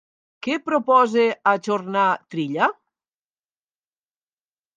Què proposa ajornar Trilla?